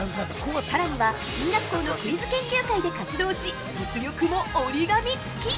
さらには、進学校のクイズ研究会で活動し実力も折り紙つき。